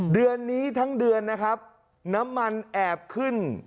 เดือนนี้ทั้งเดือนนะครับน้ำมันแอบขึ้น